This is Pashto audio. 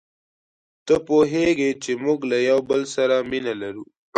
ته پوهیږې چي موږ یو له بل سره مینه لرو.